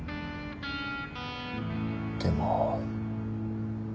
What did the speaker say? でも。